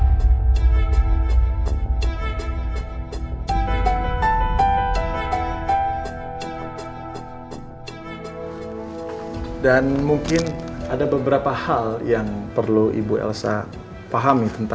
hai dan muka saya sudah berubah menjadi saksi di tkp dan saya juga sebagai saksi di ibu andien jauh sebelum kecelakaan itu terjadi